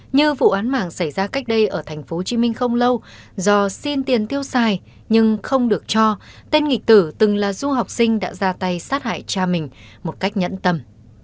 như vụ án mạng xảy ra cách đây ở tp hcm không lâu do xin tiền tiêu xài nhưng không được cho tên nghịch tử từng là du học sinh đã ra tay sát hại cha mình một cách nhẫn tầm